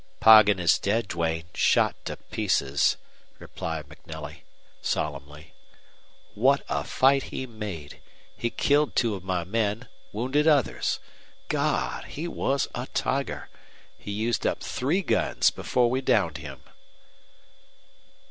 "Poggin is dead, Duane; shot to pieces," replied MacNelly, solemnly. "What a fight he made! He killed two of my men, wounded others. God! he was a tiger. He used up three guns before we downed him."